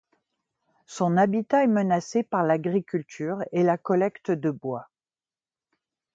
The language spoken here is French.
Son habitat est menacé par l'agriculture et la collecte de bois.